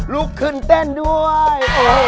ลุกขึ้นเต้นด้วย